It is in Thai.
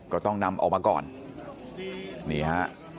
ก็ต้องนำออกมาก่อนนี่ฮะ